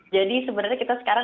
jadi sebenarnya kita sekarang